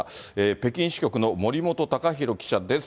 北京支局の森本たかひろ記者です。